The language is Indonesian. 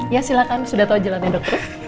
ya silahkan sudah tahu jalannya dokter